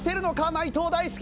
内藤大助！